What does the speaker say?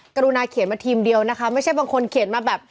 กรุณาเขียนมาทีมเดียวนะคะไม่ใช่บางคนเขียนมาแบบ